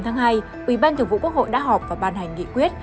ngày hai ủy ban thường vụ quốc hội đã họp và ban hành nghị quyết